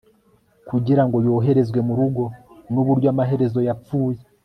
Kugirango yoherezwe murugo nuburyo amaherezo yapfuye